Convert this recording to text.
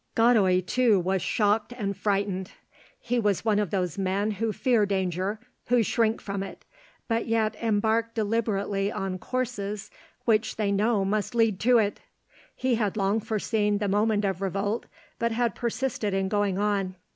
Godoy too was shocked and frightened. He was one of those men who fear danger, who shrink from it, but yet embark deliberately on courses which they know must lead to it. He had long foreseen the moment of revolt, but had persisted in going on.